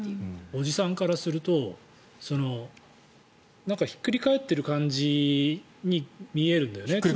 おじさんからするとなんかひっくり返ってる感じに見えるんだよね。